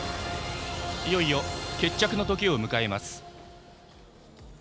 いよいよ、決着のときを迎えます。